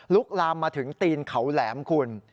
ลามมาถึงตีนเขาแหลมคุณ